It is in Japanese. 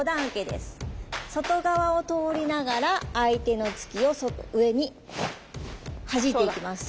外側を通りながら相手の突きを外上にはじいていきます。